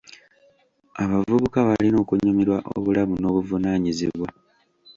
Abavubuka balina okunyumirwa obulamu n'obuvunaanyizibwa.